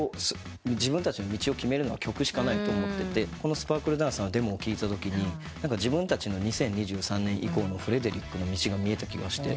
自分たちの道を決めるのは曲しかないと思っててこの『スパークルダンサー』のデモを聴いたときに自分たちの２０２３年以降のフレデリックの道が見えた気がして。